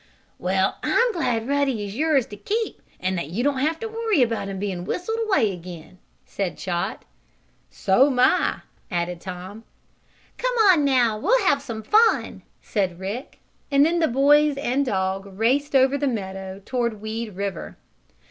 "Well, I'm glad Ruddy is yours to keep, and that you don't have to worry about him being whistled away again," said Chot. "So'm I," added Tom. "Come on, now, we'll have some fun!" said Rick, and then boys and dog raced over the meadow toward Weed River.